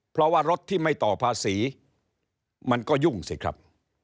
เพราะว่ารถที่ไม่ต่อภาษีมันก็ยุ่งสิครับ